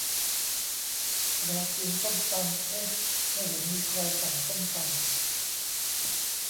รอกินส้มตำ เอ๊ะ ไม่เห็นมีใครสั่งส้มตำ